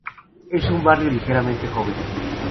Es un barrio ligeramente joven.